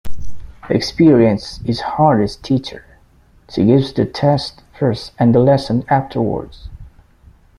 Experience is the hardest teacher. She gives the test first and the lesson afterwards.